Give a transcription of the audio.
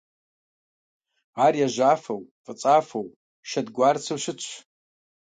Ар яжьафэу, фӀыцӀафэу, шэдгуарцэу щытщ.